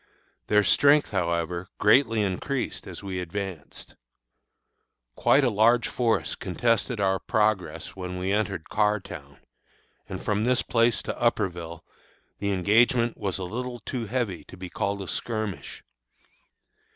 Their strength, however, greatly increased as we advanced. Quite a large force contested our progress when we entered Carrtown, and from this place to Upperville the engagement was a little too heavy to be called a skirmish.